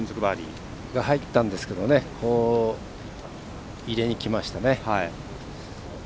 左が入ったんですけど入れにきましたね。